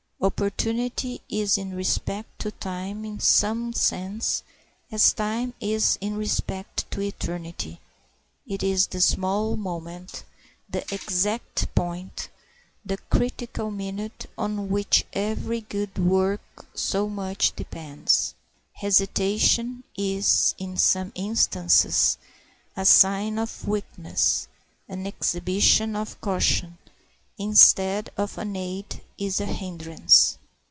Opportunity is in respect to time in some sense as time is in respect to eternity; it is the small moment, the exact point, the critical minute on which every good work so much depends. Hesitation is in some instances a sign of weakness, and an exhibition of caution instead of an aid is a hinderance.